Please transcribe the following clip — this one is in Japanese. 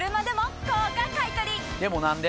でも何で？